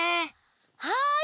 はい！